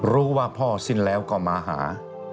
รู้ว่าพ่อสิ้นแล้วก็มาหา